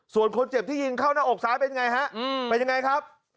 ส่วนคนเจ็บที่ยิงเข้าหน้าอกสารเป็นยังไงครับ